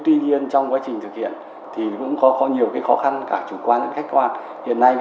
tuy nhiên trong quá trình thực hiện thì cũng có nhiều khó khăn cả chủ quan khách quan